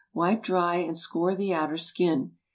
Wipe dry and score the outer skin.